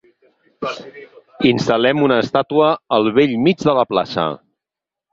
Instal·lem una estàtua al bell mig de la plaça.